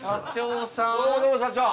どうもどうも社長。